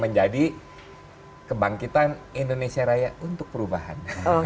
menjadi kebangkitan indonesia raya untuk perubahan